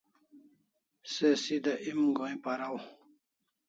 Se sida em go'in paraw